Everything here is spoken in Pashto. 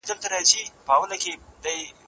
ژوند په هره پېړۍ کې نوي رنګونه اخلي.